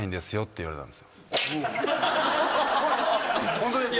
ホントですよね。